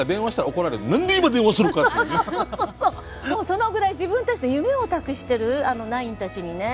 そのぐらい自分たちの夢を託してるあのナインたちにね。